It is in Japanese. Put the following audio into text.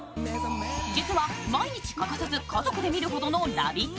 実は毎日欠かさず家族で見るほどの「ラヴィット！」